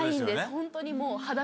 ホントにもう。